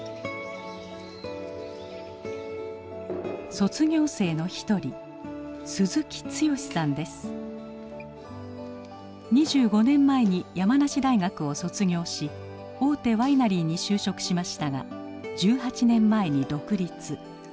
卒業生の一人２５年前に山梨大学を卒業し大手ワイナリーに就職しましたが１８年前に独立。